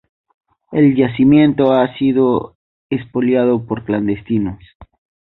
El yacimiento ha sido expoliado por clandestinos.